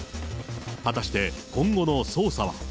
果たして、今後の捜査は。